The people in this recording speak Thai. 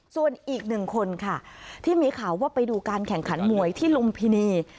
ส่วนอีกหนึ่งคนค่ะที่มีข่าวว่าไปดูการแข่งขันมวยที่ลุมพินี